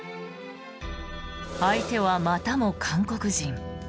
相手は、またも韓国人。